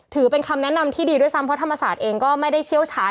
ถือเป็นคำแนะนำที่ดีด้วยซ้ำเพราะธรรมศาสตร์เองก็ไม่ได้เชี่ยวชาญ